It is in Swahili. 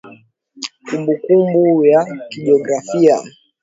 Kumbukumbu ya kijiografia